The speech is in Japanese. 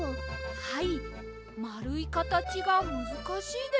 はいまるいかたちがむずかしいです。